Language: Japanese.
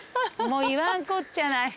もう言わんこっちゃない。